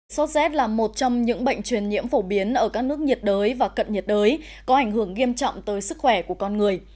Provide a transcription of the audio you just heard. sot z là một trong những bệnh truyền nhiễm phổ biến ở các nước nhiệt đới và cận nhiệt đới có ảnh hưởng nghiêm trọng tới sức khỏe của con người